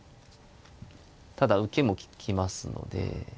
ただ受けも利きますので。